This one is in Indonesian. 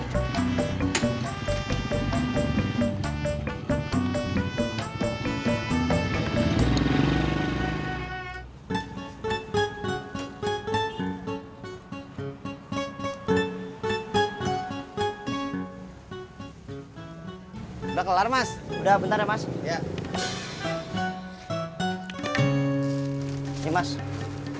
jangan lari berantakan